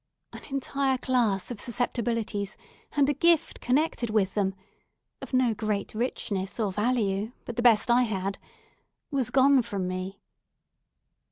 An entire class of susceptibilities, and a gift connected with them—of no great richness or value, but the best I had—was gone from me.